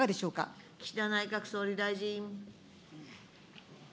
岸田内閣総理大臣。